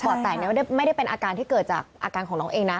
อดแตกไม่ได้เป็นอาการที่เกิดจากอาการของน้องเองนะ